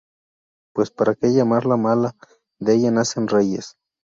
Pues para que llamarla mala, de ella nacen reyes.